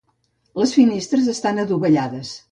Les finestres estan adovellades.